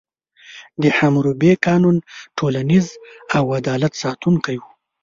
د حموربي قانون ټولنیز او عدالت ساتونکی و.